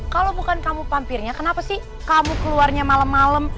kalau bukan kamu pampirnya kenapa sih kamu keluarnya malam malam